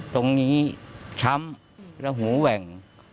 ตรงนี้ช้ำและหูแหว่ง